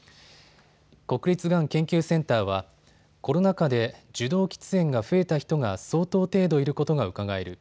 国立がん研究センターはコロナ禍で受動喫煙が増えた人が相当程度いることがうかがえる。